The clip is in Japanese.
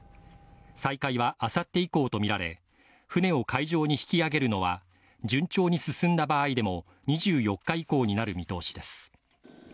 再開はあさって以降とみられ、船を海上に引き揚げるのは順調に進んだ場合でも２４日以降になる見通しです。